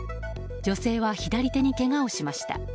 女性は左手にけがをしました。